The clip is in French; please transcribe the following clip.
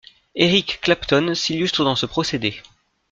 Eric Clapton s'illustre dans ce procédé.